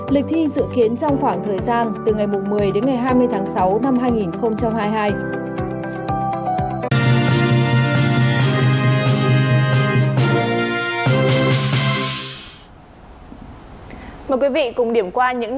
lịch thi dự kiến trong khoảng thời gian